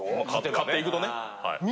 勝っていくとね。